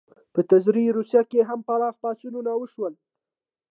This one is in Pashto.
په تزاري روسیه کې هم پراخ پاڅونونه وشول.